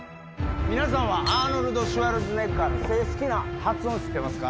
皆さんはアーノルド・シュワルツェネッガーの正式な発音知ってますか？